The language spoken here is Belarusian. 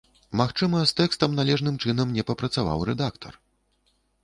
Магчыма, з тэкстам належным чынам не папрацаваў рэдактар.